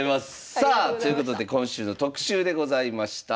さあということで今週の特集でございました。